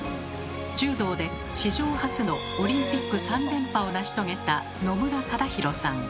柔道で史上初のオリンピック３連覇を成し遂げた野村忠宏さん。